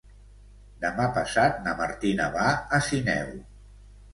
Demà passat na Martina va a Sineu.